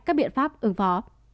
các biện pháp ứng phó